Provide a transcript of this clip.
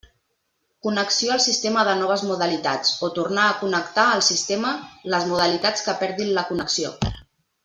Connexió al sistema de noves modalitats, o tornar a connectar al sistema les modalitats que perdin la connexió.